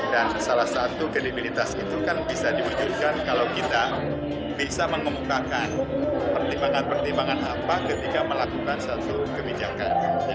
dan salah satu kredibilitas itu kan bisa dimujukkan kalau kita bisa mengumumkakan pertimbangan pertimbangan apa ketika melakukan satu kebijakan